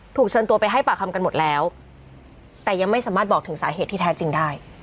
เชิญตัวไปให้ปากคำกันหมดแล้วแต่ยังไม่สามารถบอกถึงสาเหตุที่แท้จริงได้